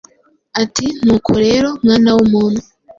ati: “Nuko rero, mwana w’umuntu,